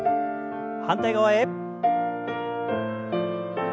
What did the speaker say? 反対側へ。